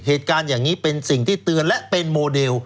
เหตุการณ์อย่างนี้เป็นสิ่งที่เตือนและเป็นโมเดล